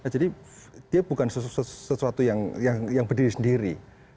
jadi dia bukan sesuatu yang berdiri sendiri